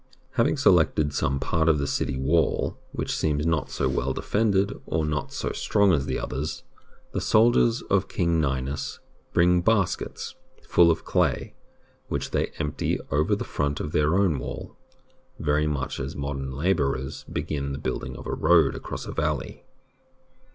Having selected some part of the city wall which seems not so well defended or not so strong as the others, the soldiers of King Ninus bring baskets full of clay, which they empty over the front of their own wall, very much as modern labourers begin the building of a road across a valley.